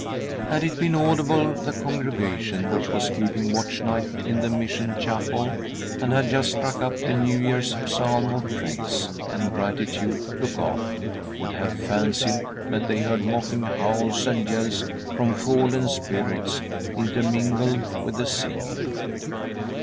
Had it been audible, the congregation which was ' keeping watch night in the mission chapel, and had just struck up the New Year's psalm of praise and gratitude to God, would have fancied that they heard mocking howls and yells from fallen spirits, intermingled with the singing.